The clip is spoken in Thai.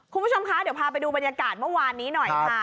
คุณผู้ชมคะเดี๋ยวพาไปดูบรรยากาศเมื่อวานนี้หน่อยค่ะ